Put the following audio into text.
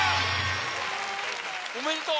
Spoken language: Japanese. おめでとう。